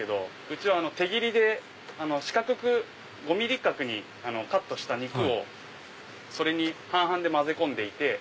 うちは手切りで四角く５ｍｍ角にカットした肉をそれに半々で混ぜ込んでいて。